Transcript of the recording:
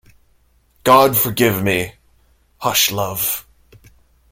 God forgive me! Hush, love!